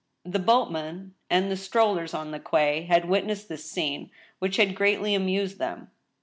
The boatmen and the strollers on the quay had witnessed this scene, which had greatly amused them.